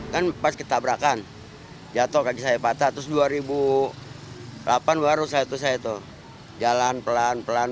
kan pas ketabrakan jatuh kaki saya patah terus dua ribu delapan baru saya itu saya tuh jalan pelan pelan